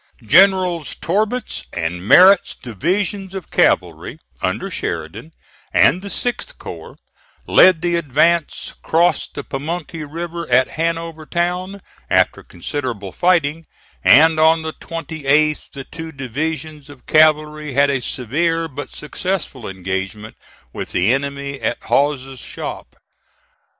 Generals Torbert's and Merritt's divisions of cavalry, under Sheridan, and the 6th corps, led the advance, crossed the Pamunkey River at Hanover Town, after considerable fighting, and on the 28th the two divisions of cavalry had a severe, but successful engagement with the enemy at Hawes's Shop.